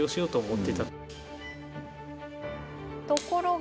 ところが。